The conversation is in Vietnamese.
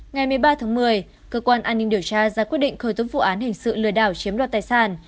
ngày một mươi ba tháng một mươi cơ quan an ninh điều tra ra quyết định khởi tố vụ án hình sự lừa đảo chiếm đoạt tài sản